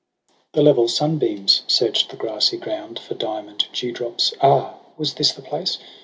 The level sunbeams search'd the grassy ground For diamond dewdrops. Ah ! was this the place